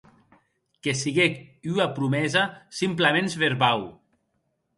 Que siguec ua promesa simplaments verbau.